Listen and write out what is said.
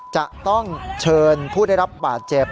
จะต้องเชิญผู้ได้รับบาดเจ็บ